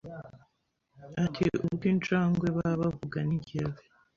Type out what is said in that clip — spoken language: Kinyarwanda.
ati ubwo injangwe baba bavuga ni jyewe